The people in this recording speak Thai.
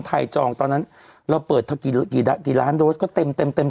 ไทยจองตอนนั้นเราเปิดเท่ากี่กี่กี่ล้านรถก็เต็มเต็มเต็มเต็ม